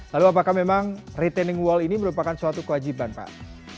lalu apakah memang retaining wall ini merupakan suatu kewajiban pak